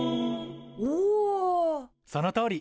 そのとおり！